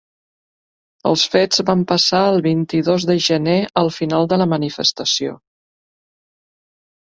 Els fets van passar el vint-i-dos de gener al final de la manifestació.